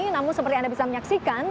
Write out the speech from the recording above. namun seperti anda bisa menyaksikan